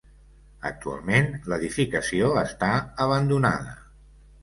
Actualment l'edificació està abandonada.